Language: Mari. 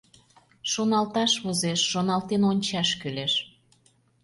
Шоналташ возеш, шоналтен ончаш кӱлеш...